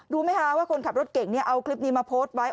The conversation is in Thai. รู้ไหมคะว่าคนขับรถเก่งเอาคลิปนี้มาโพสต์ไว้